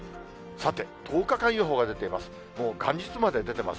さて、１０日間予報が出ています。